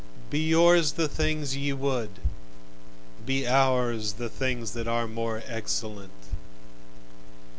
Be yours the things ye would: be ours The things that are more excellent.